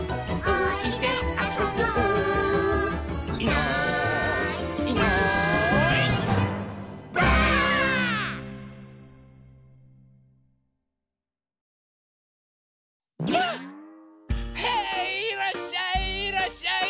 へいいらっしゃいいらっしゃい！